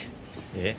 えっ？